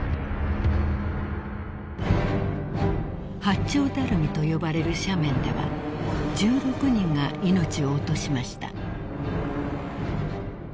［八丁ダルミと呼ばれる斜面では１６人が命を落としました］